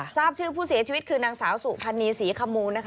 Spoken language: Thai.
ทราบชื่อผู้เสียชีวิตคือนางสาวสุพรรณีศรีขมูลนะคะ